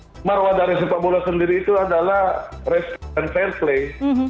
karena maruah dari sepak bola sendiri itu adalah respect dan fair play